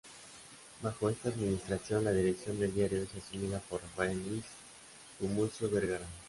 Bajo esta administración la dirección del diario es asumida por Rafael Luis Gumucio Vergara.